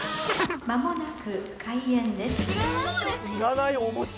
［間もなく開演です］